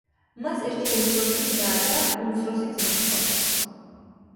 მას ერთი უმცროსი და და ერთი უმცროსი ძმა ჰყავს.